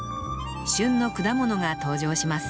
旬の果物が登場します